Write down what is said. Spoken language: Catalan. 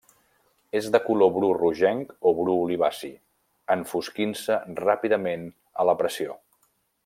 És de color bru rogenc o bru olivaci, enfosquint-se ràpidament a la pressió.